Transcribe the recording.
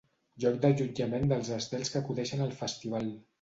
Lloc d'allotjament dels estels que acudeixen al Festival.